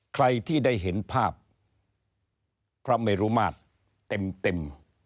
ใครที่ได้เห็นภาพพระเมรุมาตรเต็ม